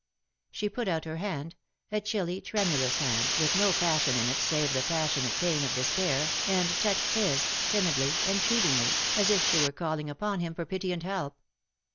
^' She put out her hand — a chilly, tremulous hand^ with no passion in it save the passionate pain of despair^ and touched his, timidly, entreatingly, as if she were calling upon him for pity and help.